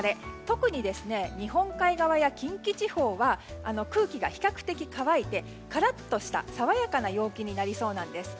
特に日本海側や近畿地方は空気が比較的乾いてカラッとした爽やかな陽気になりそうなんです。